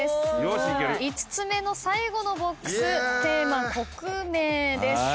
５つ目の最後のＢＯＸテーマ「国名」です。